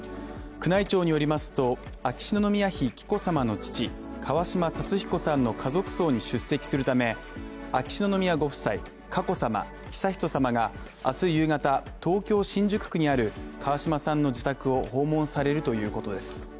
宮内庁によりますと、秋篠宮妃紀子さまの父川嶋辰彦さんの家族葬に出席するため、秋篠宮ご夫妻、佳子さま、悠仁さまが明日夕方、東京・新宿区にある川嶋さんの自宅を訪問されるということです。